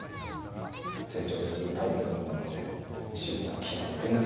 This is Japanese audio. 成長するタイプのもので手術は極めて難しい。